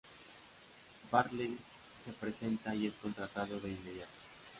Bartleby se presenta y es contratado de inmediato.